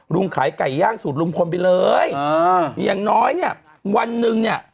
ลุงขายไก่ย่างสูตรลุงพลไปเลยอ่าอย่างน้อยเนี่ยวันหนึ่งเนี่ย